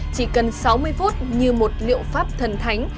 chỉ cần sáu mươi phút như một liệu pháp thần thánh